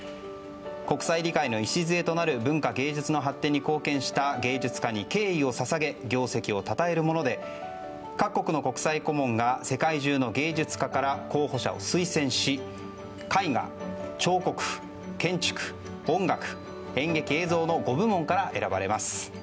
国際理解の礎となる文化・芸術の発展に貢献した芸術家に敬意を捧げ業績をたたえるもので各国の国際顧問が世界中の芸術家から候補者を推薦し絵画、彫刻、建築、音楽演劇・映像の５部門から選ばれます。